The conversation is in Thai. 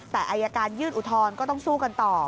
แต่อายการยื่นอุทธรณ์ก็ต้องสู้กันต่อ